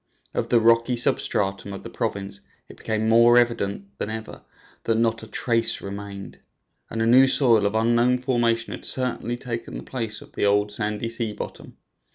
Of the rocky substratum of the province it became more evident than ever that not a trace remained, and a new soil of unknown formation had certainly taken the place of the old sandy sea bottom.